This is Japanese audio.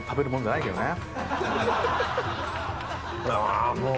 ああもう。